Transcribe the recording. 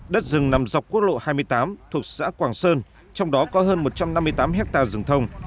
đất rừng nằm dọc quốc lộ hai mươi tám thuộc xã quảng sơn trong đó có hơn một trăm năm mươi tám hectare rừng thông